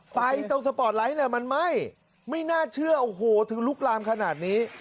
ไฟตรงสปอร์ตไลท์เนี่ยมันไหม้ไม่น่าเชื่อโอ้โหถึงลุกลามขนาดนี้